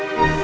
mana aja dia